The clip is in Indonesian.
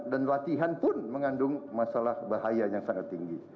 dan latihan pun mengandung masalah berat